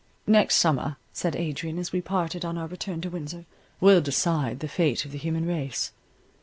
"Next summer," said Adrian as we parted on our return to Windsor, "will decide the fate of the human race.